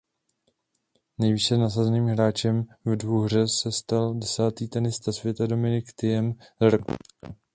Nejvýše nasazeným hráčem ve dvouhře se stal desátý tenista světa Dominic Thiem z Rakouska.